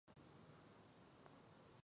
زه له خلکو سره په مهربانۍ چلند کوم.